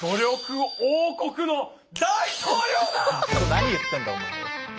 何言ってんだお前は！